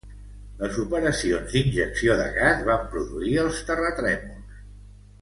Les operacions d'injecció de gas van produir els terratrèmols.